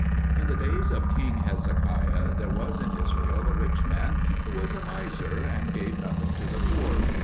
In the days of King Hezekiah there was in Israel a rich man who was a miser and gave nothing to the poor.